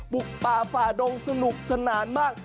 บุกป่าฝ่าดงสนุกสนานมาก